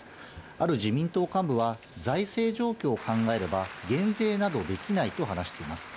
ある自民党幹部は、財政状況を考えれば、減税などできないと話しています。